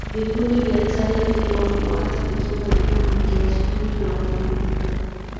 Vikundi vya tai viliwafuata kutoka juu vikiwasubiri waathirika